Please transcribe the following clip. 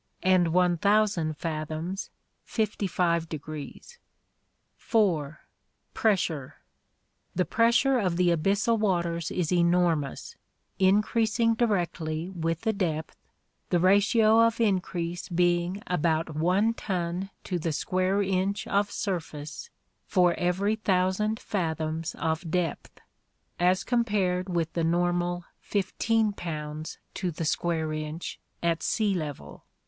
and 1000 fathoms, 55°. (4) Pressure. The pressure of the abyssal waters is enormous, increasing directly with the depth, the ratio of increase being about one ton to the square inch of surface for every thousand fathoms of depth, as compared with the normal 15 pounds to the square inch at sea level.